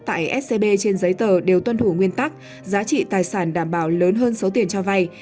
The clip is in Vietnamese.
tại scb trên giấy tờ đều tuân thủ nguyên tắc giá trị tài sản đảm bảo lớn hơn số tiền cho vay